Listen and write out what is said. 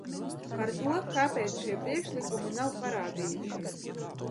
Par to, kāpēc šie priekšlikumi nav parādījušies.